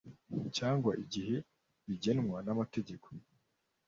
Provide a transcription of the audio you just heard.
cyangwa igihe bigenwa n’amategeko.